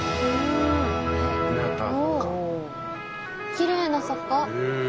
きれいな坂。